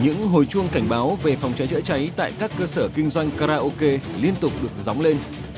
những hồi chuông cảnh báo về phòng cháy chữa cháy tại các cơ sở kinh doanh karaoke liên tục được dóng lên